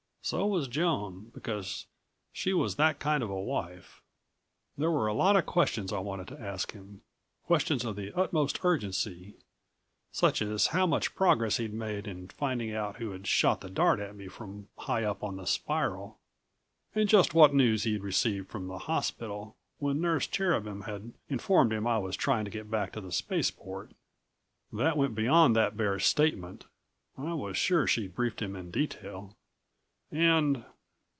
So was Joan, because she was that kind of a wife. There were a lot of questions I wanted to ask him questions of the utmost urgency, such as how much progress he'd made in finding out who had shot the dart at me from high up on the spiral and just what news he'd received from the hospital, when Nurse Cherubin had informed him I was trying to get back to the spaceport, that went beyond that bare statement I was sure she'd briefed him in detail and